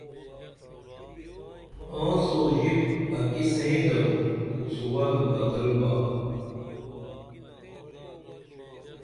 آنس و ژِپ اکی سئیں درو خو سُول بدل با